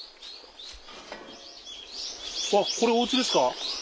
あこれおうちですか？